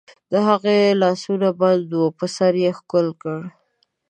د هغې لاسونه بند وو، په سر یې ښکل کړ.